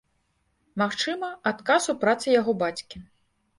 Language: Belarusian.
Магчыма, адказ у працы яго бацькі.